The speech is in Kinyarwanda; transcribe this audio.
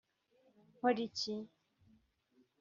nkore iki